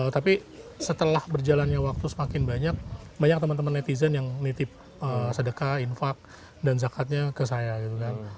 tapi setelah berjalannya waktu semakin banyak banyak teman teman netizen yang nitip sedekah infak dan zakatnya ke saya gitu kan